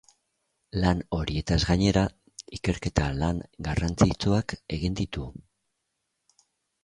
Lan horietaz gainera, ikerketa-lan garrantzitsuak egin ditu.